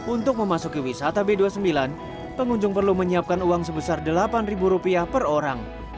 untuk memasuki wisata b dua puluh sembilan pengunjung perlu menyiapkan uang sebesar delapan rupiah per orang